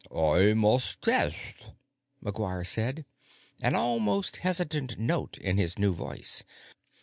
"I must test," McGuire said, an almost hesitant note in his new voice.